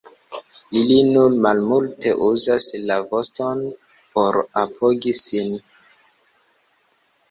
Ili nur malmulte uzas la voston por apogi sin.